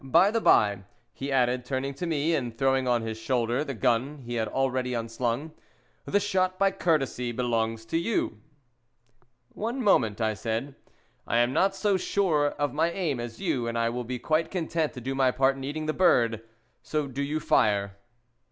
"By the by," he added, turning to me and throwing on his shoulder the gun he had already unslung, "the shot by courtesy belongs to you." "One moment," I said. "I am not so sure of my aim as you, and I will be quite content to do my part in eating the bird. So do you fire."